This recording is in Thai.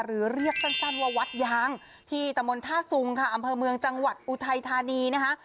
เรียกสั้นว่าวัดยางที่ตะมนต์ท่าสุงค่ะอำเภอเมืองจังหวัดอุทัยธานีนะคะ